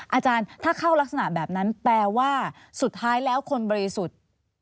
อาจารย์ถ้าเข้ารักษณะแบบนั้นแปลว่าสุดท้ายแล้วคนบริสุทธิ์